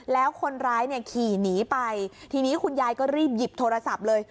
แล้วคนร้ายเนี่ยขี่หนีไปทีนี้คุณยายก็รีบหยิบโทรศัพท์เลย